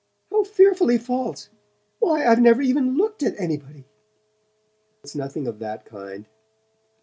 How fearfully false! Why, I've never even LOOKED at anybody !" "It's nothing of that kind."